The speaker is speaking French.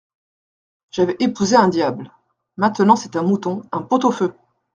J’avais épousé un diable,… maintenant c’est un mouton, un pot-au-feu !…